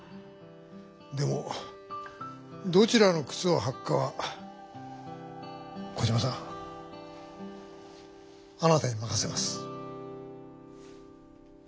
でもどちらのくつをはくかはコジマさんあなたに任せます。